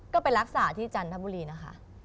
ก็ไปรักษาที่จันทบุรีนะคะ